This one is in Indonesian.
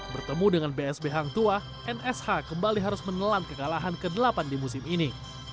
bertemu dengan bsb hangtua nsh kembali harus menelan kekalahan ke delapan di musim ini